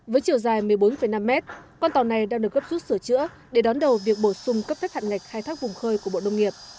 với chiều dài một mươi bốn năm mét con tàu này đang được gấp rút sửa chữa để đón đầu việc bổ sung cấp phép hạn ngạch khai thác vùng khơi của bộ nông nghiệp